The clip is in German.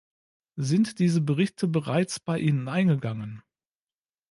Sind diese Berichte bereits bei Ihnen eingegangen?